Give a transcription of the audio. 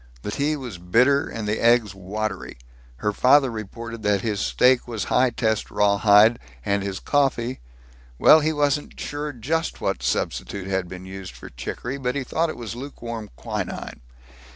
The tea was bitter and the eggs watery. Her father reported that his steak was high test rawhide, and his coffee well, he wasn't sure just what substitute had been used for chicory, but he thought it was lukewarm quinine.